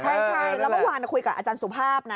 ใช่แล้วเมื่อวานคุยกับอาจารย์สุภาพนะ